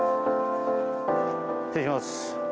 失礼します。